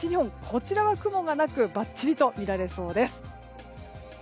こちらは雲がなくばっちりと見られそうです。